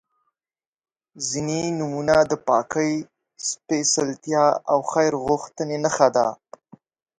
• ځینې نومونه د پاکۍ، سپېڅلتیا او خیر غوښتنې نښه ده.